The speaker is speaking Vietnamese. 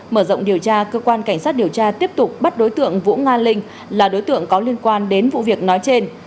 mở rộng điều tra cơ quan cảnh sát điều tra tiếp tục bắt đối tượng vũ nga linh là đối tượng có liên quan đến vụ việc nói trên